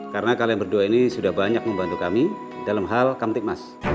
karena kalian berdua ini sudah banyak membantu kami dalam hal kamtikmas